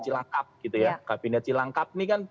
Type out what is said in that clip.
cilangkap gitu ya kabinet cilangkap ini kan